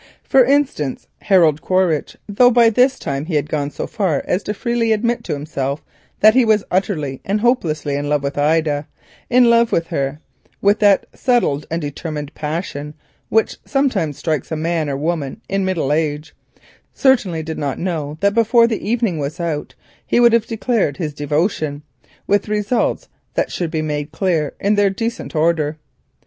For instance, Harold Quaritch—though by this time he had gone so far as to freely admit to himself that he was utterly and hopelessly in love with Ida, in love with her with that settled and determined passion which sometimes strikes a man or woman in middle age—certainly did not know that before the evening was out he would have declared his devotion with results that shall be made clear in their decent order.